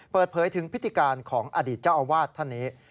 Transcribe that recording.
เปิดเผยถึงพฤติการของอดีตเจ้าอาวาสท่านนี้